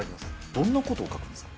どんなことを書くんですか？